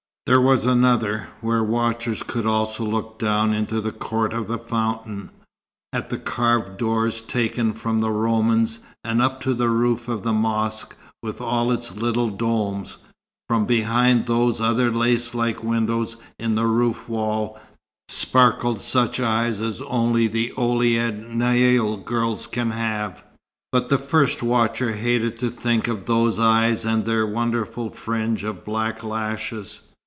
There was another, where watchers could also look down into the court of the fountain, at the carved doors taken from the Romans, and up to the roof of the mosque with all its little domes. From behind those other lace like windows in the roof wall, sparkled such eyes as only Ouled Naïl girls can have; but the first watcher hated to think of those eyes and their wonderful fringe of black lashes.